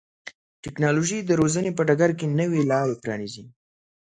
ټکنالوژي د روزنې په ډګر کې نوې لارې پرانیزي.